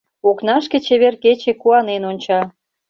Окнашке чевер кече куанен онча.